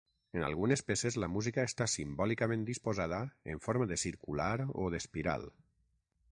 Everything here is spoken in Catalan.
En algunes peces, la música està simbòlicament disposada en forma de circular o d’espiral.